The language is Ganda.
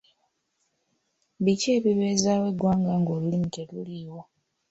Biki ebibeezaawo eggwanga ng’olulimi teruliiwo